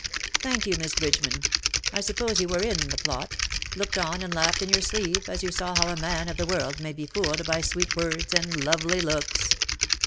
''Thank you. Miss Bridgeman. I suppose you were in the plot — looked on and laughed in your sleeve, as you saw how a man of the world may be fooled by sweet words and lovely looks."